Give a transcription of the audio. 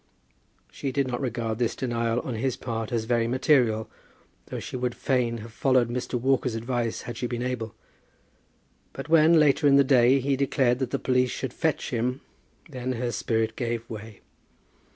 She did not regard this denial on his part as very material, though she would fain have followed Mr. Walker's advice had she been able; but when, later in the day, he declared that the police should fetch him, then her spirit gave way.